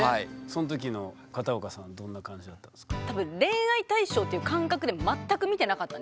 その時の片岡さんはどんな感じだったんですか？